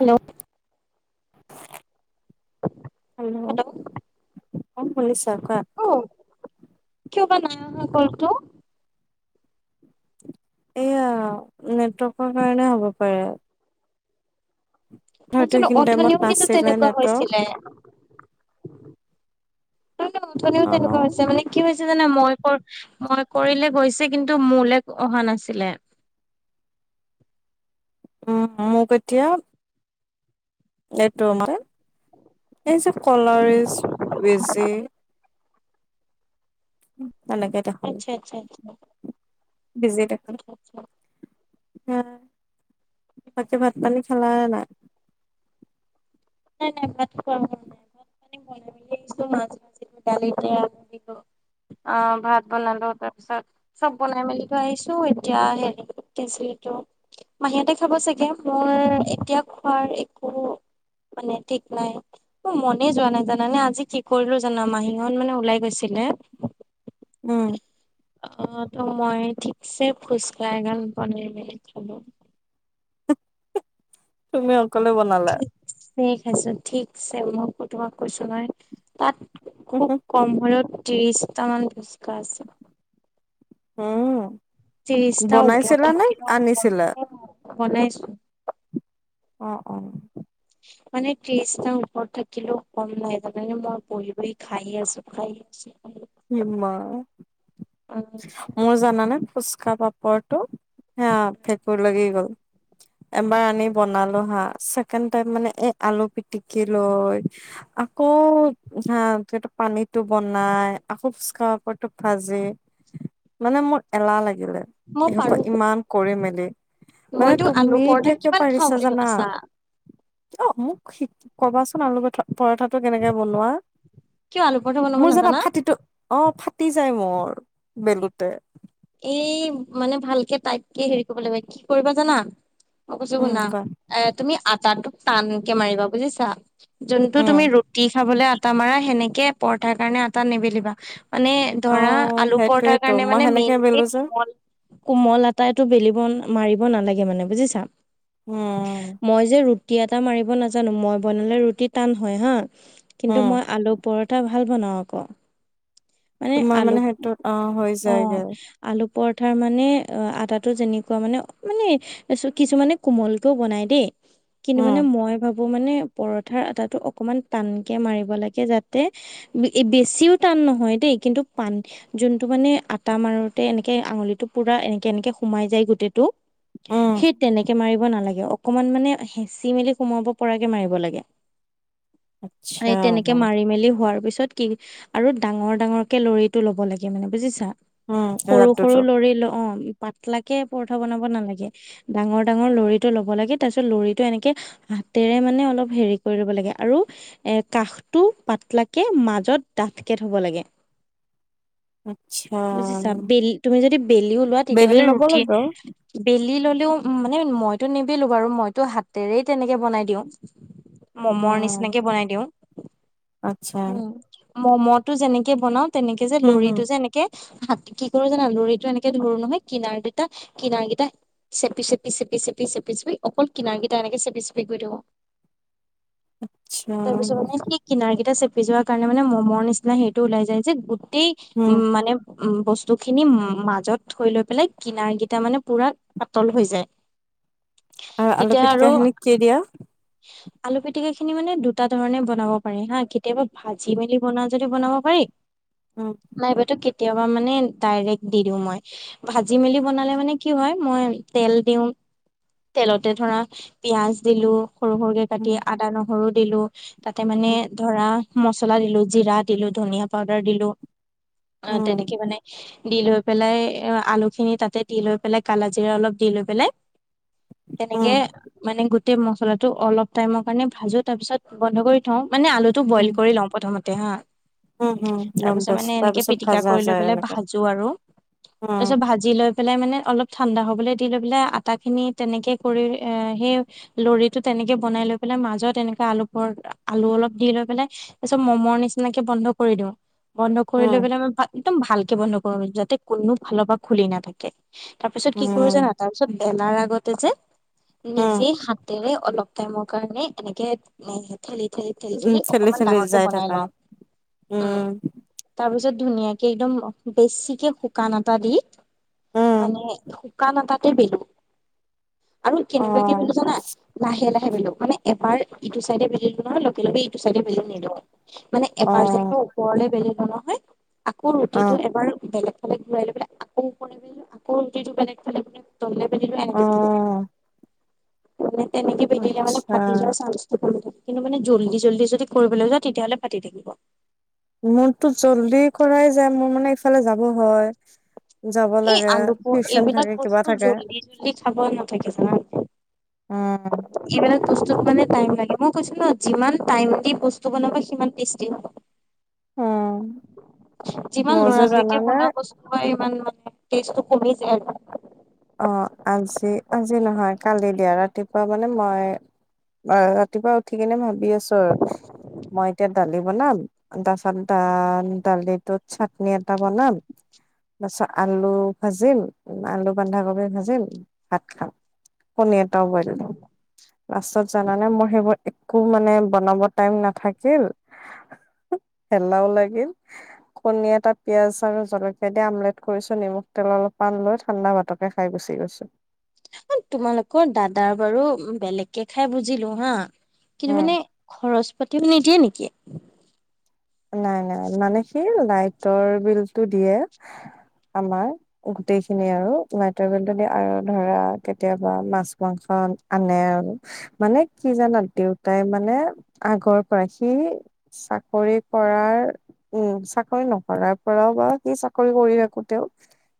Hello hello, অ, মণীচা কোৱা? অ কিয় বা নাই অহা কলটো? এয়া নেটৱৰ্কৰ কাৰণে হ'ব পাৰে। [unintelligible] হয়তো জানো সেইখিনি টাইমত অথনিও কিন্তু নাছিলে তেনেকুৱা নেটৱৰ্ক হৈছিলে। [unintelligible] অথনিও অ ন তেনেকুৱা হৈছে মানে কি হৈছে জানে মই কৰ মই কৰিলে গৈছে কিন্তু মোলে অহা নাছিলে। উম- উম মোক এতিয়া এইটো মানে এই যে কলাৰেজ বেজি উম, এনেকে আচ্ছা-আচ্ছা-আচ্ছা। বিজে [unintelligible] [unintelligible] বাকি ভাত পানী খালা নে নাই? নাই- নাই ভাত খোৱা নাই ভাত মানে বনাই মেলি আহিছোঁ মাছ ভাজিলোঁ, দালিতে আলু দিলোঁ অ, ভাত বনালো তাৰ পিছত চব বনাই মেলি থৈ আহিছো এতিয়া হেৰি কেচৰিটো মাহীহতে খাব চাগে মোৰ এতিয়া খোৱাৰ একো মানে ঠিক নাই। মোৰ মনে যোৱা নাই জানানে আজি কি কৰিলো জানা মাহীহত মানে ওলাই গৈছিলে উম, অ, ত' মই ঠিকছে ফুচকা এগাল বনাই মেলি মেলি খালো। তুমি অকলে বনালা? ঠিক আছে ঠিকছে মোক তোমাক কৈছো নহয় তাত খোক কমভৰত ত্ৰিছটামান ফুচকা আছে। হম, ত্ৰিশটা ওপৰত থাকিল আনিছিলা [unintelligible] বনাইছো। অ', অ', মানে ত্ৰিশটা ওপৰত থাকিলেও কম নাই তাৰমানে মই বহি-বহি খাই আছো খাই [unintelligible] [unintelligible] মোৰ জানাানে ফুচকা পাপৰটো সেয়া ভেকুৰ লাগি গ'ল। এবাৰ আনি বনালো হা ছেকেণ্ড টাইম মানে এ আলু পিটিকি লৈ আকৌ হা যিহেতু পানীটো বনাই আকৌ ফুচকা পাপৰতো ভাজি মানে মোৰ এলাহ লাগিলে। মই এসোপা পাৰো ইমান কৰে মেলি মানে মইতো আলু তুমি পৰঠা এতিয়া কিয় কিমান খাওঁ পাৰিছা বুলি জানা ভাবিছা। অ, মোক শি কবাচোন আলু পঠা -পৰঠাটো কেনেকে বনোৱা? কিয় আলু পৰঠা বনাব মোৰ জানা নাজানা? ফাটিটো অ, ফাটি যায় মোৰ বেলুতে। এই মানে ভালকে তাইটকে হেৰি কৰিব লাগিব কি কৰিবা জানা মই কৈছো উম শুনা কোৱা এ তুমি আটাটোক টানকে মাৰিবা বুজিছা যোনটো উম তুমি ৰু তি খাবলে আটা মাৰা সেনেকে পৰঠাৰ কাৰণে আটা নিবেলিবা মানে অ ধৰা আলু পৰঠাৰ সেইটোয়েতো কাৰণে মই মানে মেইন সেনেকে বেলো যে কোমল আটাইটো বেলিব মাৰিব নালাগে মানে বুজিছা? উম, মই যে ৰুটি আটা মাৰিব নাজানো মই বনালে ৰুটি টান হয় হা কিন্তু উম মই আলু পৰঠা ভাল বনাওঁ আকৌ। মানে তোমাৰ আলুক সেইটোত অ হৈ অ যায়গে আলু পৰঠাৰ মানে আঠাটো যেনেকুৱা মানে মানে কিছুমানে কোমলকেও বনাই দেই কিন্তু উম মানে মই ভাব- বোৰ মানে পৰঠাৰ আটাটো অকণমান টানকৈ মাৰিব লাগে যাতে বেছিও টান নহয় দেই কিন্তু পান যোনটো মানে আটা মাৰোত- তে এনেকে আঙুলিতটো পুৰা এনেকে এনেকে সোমাই যায় গোটেইটো উম সেই তেনেকে মাৰিব নালাগে অকমান মানে সেচি মেলি সোমাব পৰাকে মাৰিব লাগে। আচ্ছা সেই তেনেকে মাৰি মেলি হোৱাৰ পিছত কি আৰু ডাঙৰ ডাঙৰ কে লৰিটো ল'ব লাগে মানে বুজিছা। উম সৰু সৰু লাড্ডুটো লৰি ল অ পাতলাকে পৰঠা বনাব নালাগে। ডাঙৰ ডাঙৰ লৰিটো ল'ব লাগে তাৰ পিছত লৰিটো এনেকে হাতেৰে মানে অলপ হেৰি কৰি লব লাগে আৰু এ কাষটো পাতলাকে মাজত ডাঠকে থব লাগে। আত্চ্ছা। বুজিছা বেল তুমি যদি বেলি ওলোৱা বেলি তেতিয়াহ'লে ল'ব ৰুটি লাগিব বেলি ললেও মানে মইতো নিবেলো বাৰু মইতো হাতেৰেই তেনেকে বনাই দিওঁ। [inaudible] মম উম নিচিনাকে বনাই দিওঁ। আচ্ছা ম'মটো যেনেকে বনাওঁ তেনেকে যে হম হম লৰিটো যে এনে কি কৰো জানা লৰিটো এনেকে ধৰো নহয় কিনাৰ দুটা কিনাৰকেইটা চেপি চেপি চেপি চেপি চেপি চেপি অকল কিনাৰ কেইটা এনেকে চেপি চেপি গৈ থাকোঁ। আচ্ছা তাৰপিছত মানে কি কিনাৰ কেইটা চেপি যোৱা কাৰণে মানে ম'মৰ নিচিনা সেইটো ওলাই যায় যে গোটেই উম মানে উ বস্তু খিনি মাজত থৈ লৈ পেলাই কিনাৰ গিটা মানে পুৰা পাতল হৈ যায়। [inaudible] আ আলু তেতিয়া পিটিকা আৰু খিনি কি দিয়া? আলু পিতিকা খিনি মানে দুটা ধৰণে বনাব পাৰে হা কেতিয়াবা ভাজি মেলি বনা- যদি বনাব পাৰি উ। নাইবাটো কেতিয়াবা মানে ডাইৰেক্ট দি দিওঁ মই। ভাজি মেলি বনালে মানে কি হয় মই তেল দিওঁ। তেলতে ধৰা পিয়াঁজ দিলোঁ। সৰু সৰুকে উম কাটি আদা নহৰু দিলো তাতে মানে উম ধৰা মচলা দিলো জিৰা দিলো ধনীয়া পাউদাৰ দিলো। অ উম তেনেকে মানে দি লৈ পেলাই আলু খিনি তাতে দি লৈ পেলাই কালাজিৰা অলপ দি লৈ পেলাই তেনেকে উম মানে গোটেই মছলাটো অলপ টাইমৰ কাৰণে ভাজো তাৰ পিছত বন্ধ কৰি থওঁ মানে আলুত টো বইল উম কৰি লওঁ প্ৰথমতে হা উম উম তাৰ গম পিছত পাইছো মানে এনেকে তাৰপিছত পিতিকা ভাজা কৰি লৈ যায় পেলাই এনেকা ভাজো আৰু উম তাছত ভাজি লৈ পেলাই মানে অলপ ঠাণ্ডা হ'বলে দি লৈ পেলাই আটাখিনি তেনেকৈ কৰি সে- লৰিটো তেনেকে বনাই লৈ পেলায় মাজত এনেকা আলু পৰ আলু অলপ দি লৈ পেলায় তাছত ম'মৰ নিচিনাকে বন্ধ কৰি দিওঁ বন্ধ কৰি উম লৈ পেলাই মই ভা- একদম ভালকে বন্ধ কৰো যাতে কোনো ফালৰ পৰা খুলি নাথাকে তাৰ পিছত কি কৰো উম জানা তাৰপিছত বেলাৰ আগতে যে উম নিজে হাতেৰে অলপ টাইমৰ কাৰণে এনেকে এ ঠেলি ঠেলি ঠেলি উম ঠেলি চেলি অকমান চেলি ডাঙৰকে যাই বনাই থাকা লওঁ উম তাৰ পিছত ধুনীয়াকে একদম বেছিকে শুকান আটা দি উম মানে শুকান আটাতে বেলো আৰু অ কেনেকুৱাকে বেলো জানা। লাহে লাহে বেলো মানে এবাৰ ইটো চাইডে বেলিলো নহয় লগে লগে ইটো চাইডে বেলি নিদো। মানে অ এবাৰ যেনিবা ওপৰলে বেলিলো ন আকৌ অ ৰুটিটো এবাৰ বেলেগ ফালে ঘূৰাই লৈ বোলে আকৌ ওপৰে আকৌ ৰুটিটো বেলেগ ফালে বেলিলো। তললে পেলিলো এনে অ ত তেনেকে পেলিলে মানে আচ্ছা ফাটি যোৱা চানছ কিন্তু মানে জল্দি - জল্দি যদি কৰিবলৈ যওঁ তেতিয়াহলে পাতি থাকিব। মোৰতো জল্দি কৰাই যায় মোৰ মানে ইফালে যাব হয়। যাব এই লাগে, আলু প টিউচন এইবিলাক থাকে, কিবা বস্তু থাকে। জল্দি জল্দি খাব নাথাকে জানা উম হুম। এইবিলাক বস্তুত মানে টাইম লাগে, মই কৈছো ন যিমান টাইম দি বস্তু বনাব সিমান টেষ্টি হব। উম, যিমান মোৰ যে লৰালৰিকে জানানে বনোৱা বস হয় ইমান মানে টেষ্টটো কমি যায়। অ আজি - আজি নহয় কালি দিয়া, ৰাতিপুৱা মানে মই আ ৰাতিপুৱা উঠি কিনে ভাবি আছো আৰু মই এতিয়া দালি বনাম তাৰপাছত দা দালিটোত চাটনি এটা বনাম। তাৰপিছত আলু ভাজিম, আলু বন্ধাকবি ভাজিম, ভাত খাম। কণী এটাও বইল দিম, লাষ্টত জানানে মই সেইবোৰ একো মানে বনাব টাইম নাথাকিল, হেলাও লাগিল। কণী এটা পিয়াজ আৰু জলকীয়া দি আমলেট কৰিছো নিমখ, তেল অলপমান লৈ ঠাণ্ডা ভাত তকে খাই গুচি গৈছো। অ তোমালোকৰ দাদাৰ বাৰু বেলেগকে খাই বুজিলো হা কিন্তু উম। মানে খৰচ পাতিও নিদিয়ে নেকি? নাই নাই মানে সি লাইটৰ বিলটো দিয়ে আমাৰ। গোটেইখিনি আৰু লাইতৰ বিলটো দিয়ে আৰু ধৰা কেতিয়াবা মাছ - মাংস আনে আৰু মানে কি জানা দেউতাই মানে আগৰ পৰা সি চাকৰি কৰাৰ উম চাকৰি নকৰাৰ পৰাও বা সি চাকৰি কৰি থাকোতেও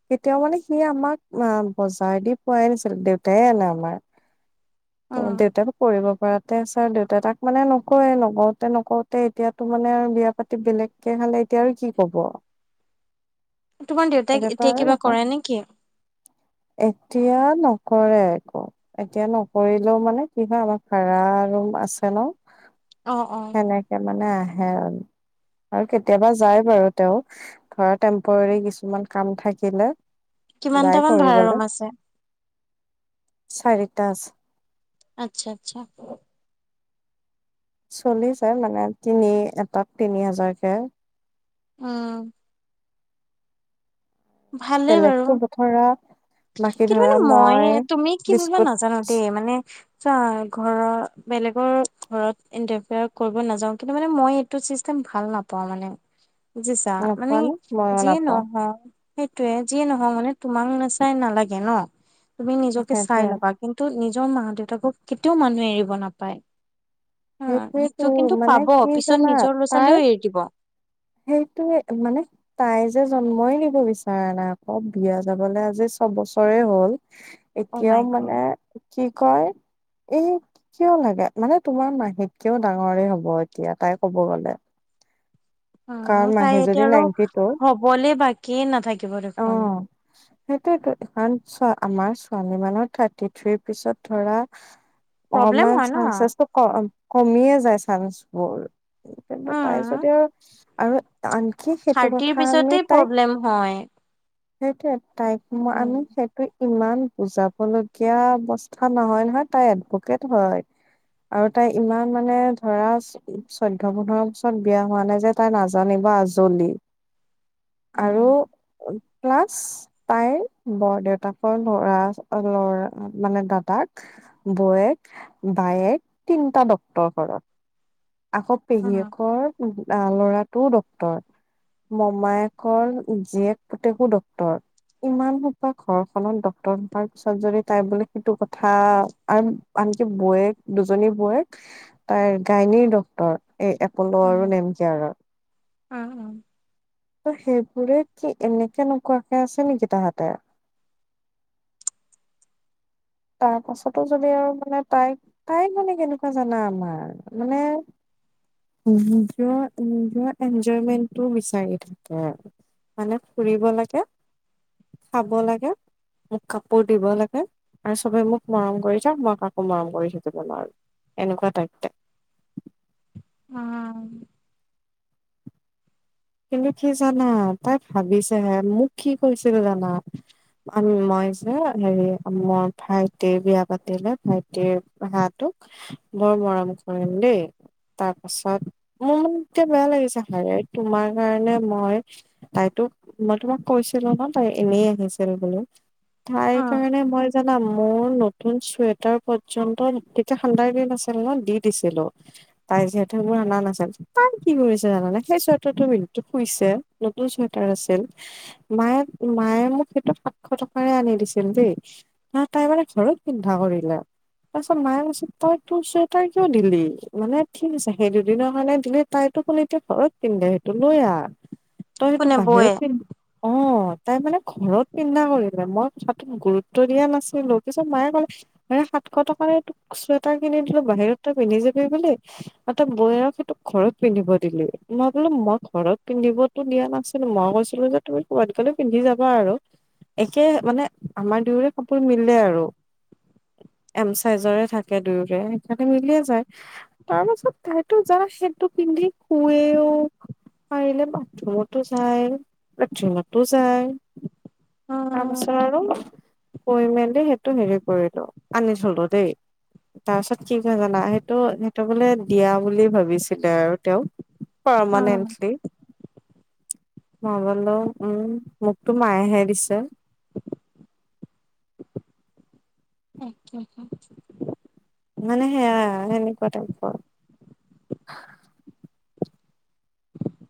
কেতিয়াও মানে সি আমাক আ বজাৰ দি পোৱাই নাছিল, দেউতাই আনে আমাৰ। [unintelligible] ত দেউতাতো কৰিব পৰাতে আছ- ধৰা দেউতাই তাক মানে নকয়ে, নকওতে নকওতে এতিয়াতো মানে বিয়া পাতি বেলেগকে খালে এতিয়া আৰু কি কব? তোমাৰ দেউতাক এতিয়াতো এতিয়া আৰু কিবা নহয় কৰে নেকি? এতিয়া নকৰে একো। এতিয়া নকৰিলেও মানে কি হয় আমাৰ ভাৰা ৰুম আছে ন? অ অ। এ মানে আহে। আৰু কেতিয়াবা যাই বাৰু তেও, ধৰা টেম্পৰী কিছুমান কাম থাকিলে ওলাই কিমানটামান ভাড়া ৰুম কৰিবলৈ, আছে? চাৰিটা আছে। আচ্ছা আচ্ছা। চলিছে মানে তিনি এটাত তিনি হাজাৰকে। ওম। ভালেই বাৰু। বেলেগতো বথৰা কিন্তু মানে মই তুমি কিবা বিস্কুট নাজানো দেই মানে চোৱা ঘৰৰ বেলেগৰ ঘৰত ইণ্টাৰফেয়াৰ কৰিব নাযাও কিন্তু মানে মই টো চিষ্টেম ভাল নাপাওঁ মানে বুজিছা মানে নোপোৱা নে মইয়ো যিয়ে নাপাওঁ নহওঁ সেইটোয়ে যিয়ে নহক মানে তোমাক নাচাই নালাগে ন, তুমি নিজকে চাই সেইটোৱে ল'বা। কিন্তু নিজৰ মা - দেউতাকক কেতিয়াও মানুহে এৰিব নাপায়। উম সেইটোৱেতো সেইটো কিন্তু মানে পাব কি পিছত জানা নিজৰ ল'ৰা - তাৰ ছোৱালীও এৰি দিব। সেইটোৱে মানে তাই যে জন্মই দিব বিচাৰা নাই আকৌ বিয়া যাবলে আজি ছবছৰে হ'ল। [inaudible] এতিয়াও মানে গড কি কয়, এই কিয় লাগে মানে তোমাৰ মাহী হেটকেও ডাঙৰে হব এতিয়া তাই কব গ'লে। অ কাৰণ মাহী তাই এতিয়া যদি আৰু নাইনটি টু হবলে বাকীয়েই নাথাকিব দেখোন। সেইটোৱেটো এইখন ছোঁ আমাৰ ছোৱালী মানৰ থাৰ্টি থ্ৰীৰ পিছত ধৰা [inaudible] অহমান হয় ন চানচ আছে। কম কমিয়ে যায় চান্সবোৰ কিন্তু তাই উম যদিও আৰু আনকি সেইটো থাৰ্টিৰ কথা আমি পিছতে তাইক প্ৰব্লেম হয়। সেইটোৱে তাইক আমি উম, সেইটো ইমান বুজাবলগীয়া অৱস্থা নহয় নহয় তাই এডভকেট হয়। আৰু তাই ইমান মানে ধৰা চৈ চৈধ্য - পোন্ধৰ বছৰত বিয়া হোৱা নাই যে তাই নাজানিব আজলি আৰু উম। প্লাছ তাইৰ বৰ দেউতাকৰ লৰা লৰা মানে দাদাক বৌৱেক, বায়েক তিনটা ডক্তৰ ঘৰত। আকৌ উম, পেহীয়েকৰ উহু আ ল'ৰাটো ডক্তৰ। মমায়েকৰ জীয়েক পুতেকো ডক্টৰ। ইমান সোপা ঘৰখনত ডক্তৰ হোৱাৰ পিছত যদি তাই বোলে সেইটো কথা আৰু আনকি বৌৱেক দুজনী বৌয়েক তাইৰ গাইনীৰ ড তৰ এই এপ'লো উম, আৰু নেম কেয়াৰৰ। উম উম। ত' সেইবোৰে কি এনেকে নকুৱাকে আছে নেকি তাহাঁতে? তাৰ পাছতো যদি আৰু মানে তাই তাই মানে কেনেকুৱা জানা আমাৰ মানে নিজৰ - নিজৰ এনজয়মেন্টটো বিচাৰি থাকে। মানে ফুৰিব লাগে, খাব লাগে, মোক কাপোৰ দিব লাগে আৰু চবে মোক মৰম কৰি যাওক, মই কাকো মৰম কৰি থাকিব নোৱাৰো এনেকুৱা টাইপতে অ। কিন্তু কি জানা তাই ভাবিছেহে মোক কি কৈছিল জানা? মই যে হেৰি মোৰ ভাইটিৰ বিয়া পাতিলে ভাইটিৰ হাঁহ তোক বৰ মৰম কৰিম দেই তাৰ পাছত মোৰ মানকে বেয়া লাগিছে হড। তোমাৰ কাৰণে মই তাইতো মই তোমাক কৈছিলো ন তাই এনেই আহিছিল বুলি। তাইৰ উম, কাৰণে মই জানা মোৰ নতুন চুৱে তাৰ পৰ্যন্ত তেতিয়া ঠাণ্ডাৰ দিন আছিল ন দি দিছিলো। তাই যিহেতু মোৰ আনা নাছিল, তাই কি কৰিছে জানানে সেই চুৱে ট টো ৱীন শুইছে, নতুন চুৱেটাৰ আছিল মায়ে মায়ে মোক সেইটো সাতশ টকাৰে আনি দিছিল দেই। ন তাইবাৰে ঘৰত চিন্ধা কৰিলে। তাৰপিছত মায়ে কৈছে তই তোৰ চুৱেটাৰ কিয় দিলি? মানে ঠিক আছে সেই দুদিনৰ কাৰণে দিলি তাইতো কল এতিয়া ঘৰত পিন্ধে সেইটো লৈ আহ, তই সেইটো কোনে বৌয়ে? বাহিৰত পিন্ধ [inaudible] অ', তাই মানে ঘৰত পিন্ধা কৰিলে মই কথাটোত গুৰুত্ব দিয়া নাছিলো, পিছত মায়ে কলে এ! সাতশ টকাৰে তোক চুৱেটাৰ কিনি দিলো, বাহিৰত তই পিন্ধি যাবি বোলি আৰু তই বৌয়েৰক সেইটো ঘৰত পিন্ধিব দিলি। মই বোলো মই ঘৰত পিন্ধিবতো দিয়া নাছিলো, মই কৈছিলো যে তুমি ক'বাত গ'লে পিন্ধি যাবা আৰু। একে মানে আমাৰ দুয়োৰে কাপোৰ মিলে আৰু। এম চাইজৰে থাকে দুয়োৰে সেইকাৰণে মিলিয়ে যায়। তাৰ পাছত সেইতো জাগাত সেটো পিন্ধি শু [unintelligible] পাৰিলে বাথৰুমতো যায়, লেট্ৰিনতো যায়। উম, তাৰপাছত আৰু কৈ মেলি সেইটো হেৰি কৰিলো আনি থলো দেই। তাৰ পিছত কি কৈ জানা সেইটো, সেইটো বোলে দিয়া বুলি ভাবিছিলে আৰু তেওঁক। উম, পৰমাননেল্টি মই ব'লো উম, মোকতো মায়েহে দিছে। [unintelligible] মানে সেয়া সেনেকুৱা টাইপৰ।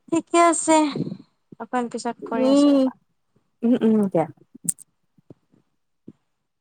ঠিকে আছে, অকণ পিছত কৰি আছো উম ৰবা। উম উম দিয়া।